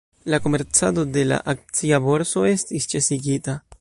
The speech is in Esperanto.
La komercado de la akcia borso estis ĉesigita.